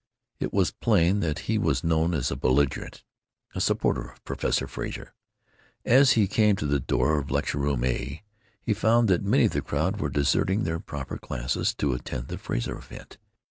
It was plain that he was known as a belligerent, a supporter of Professor Frazer. As he came to the door of Lecture room A he found that many of the crowd were deserting their proper classes to attend the Frazer event.